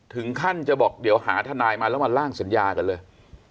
ถึงขั้นจะบอกเดี๋ยวหาทนายมาแล้วมาล่างสัญญากันเลย